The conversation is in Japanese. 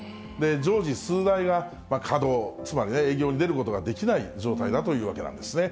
常時、数台が稼働、つまり営業に出ることができない状態だというわけなんですね。